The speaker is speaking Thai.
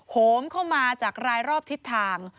โหมเข้ามาจากรายรอบทิศทาง